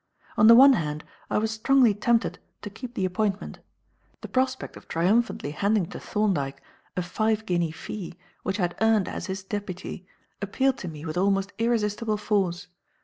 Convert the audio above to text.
On the one hand, I was strongly tempted to keep the appointment. The prospect of triumphantly handing to Thorndyke a five guinea fee which I had earned as his deputy appealed to me with almost irresistible force.